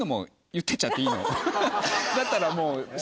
だったらもう。